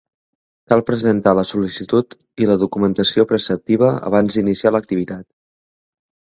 Cal presentar la sol·licitud i la documentació preceptiva abans d'iniciar l'activitat.